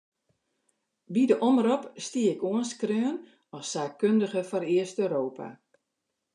By de omrop stie ik oanskreaun as saakkundige foar East-Europa.